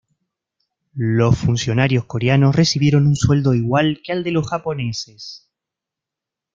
Los funcionarios coreanos recibieron un sueldo igual que al de los japoneses.